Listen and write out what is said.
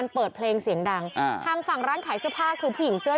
เปิดเพลงเสียงดังทางหลาง๑๙๑๗คือผิวเสื้อ